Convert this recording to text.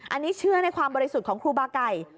อันนี้เชื่อในความบริสุทธิ์ของครูบาไก่